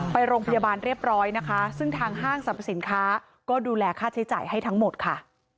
ไปโรงพยาบาลเรียบร้อยนะคะซึ่งทางห้างสรรพสินค้าก็ดูแลค่าใช้จ่ายให้ทั้งหมดค่ะ